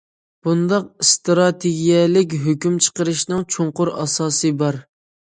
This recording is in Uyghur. بۇنداق ئىستراتېگىيەلىك ھۆكۈم چىقىرىشنىڭ چوڭقۇر ئاساسى بار.